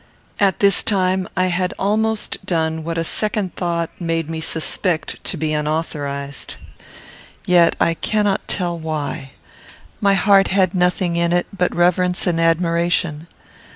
At this time, I had almost done what a second thought made me suspect to be unauthorized. Yet I cannot tell why. My heart had nothing in it but reverence and admiration.